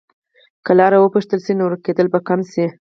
که لاره وپوښتل شي، نو ورکېدل به کم شي.